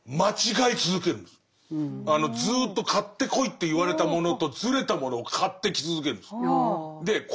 ずっと買ってこいって言われたものとずれたものを買ってき続けるんです。